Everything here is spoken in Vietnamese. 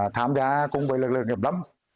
tham gia cùng với lực lượng nghiệp lắm